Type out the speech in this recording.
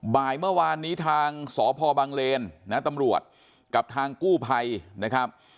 บ่ายเมื่อวานนี้ทางสพบังเลนนะตำรวจกับทางกู้ภัยนะครับ